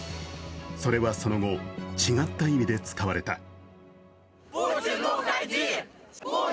それはその後、違った意味で使われた。